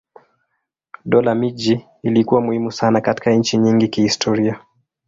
Dola miji ilikuwa muhimu sana katika nchi nyingi kihistoria.